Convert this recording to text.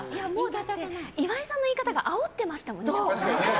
岩井さんの言い方があおってましたもんね。